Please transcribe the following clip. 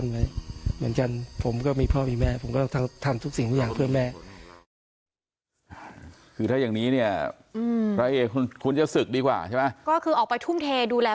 กำไรจากการขายเครื่องรางของขลังเดือนหนึ่งก็ได้สักประมาณ๒๐๐๐บาทก็เท่านั้นแหละ